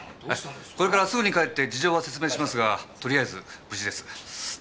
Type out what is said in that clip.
これからすぐ帰って事情は説明しますがとりあえず無事です。